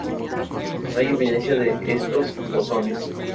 No hay evidencia de estos bosones.